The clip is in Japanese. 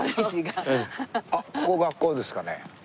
あっここ学校ですかね？